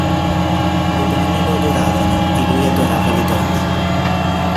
Le donne lo adoravano e lui adorava le donne".